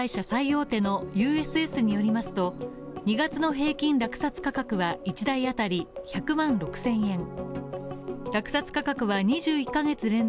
最大手のＵＳＳによりますと２月の平均落札価格は１台当たり１００万６０００円。